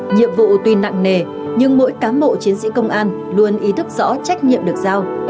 nhiệm vụ tuy nặng nề nhưng mỗi cán bộ chiến sĩ công an luôn ý thức rõ trách nhiệm được giao